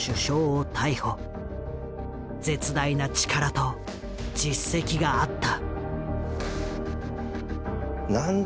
絶大な力と実績があった。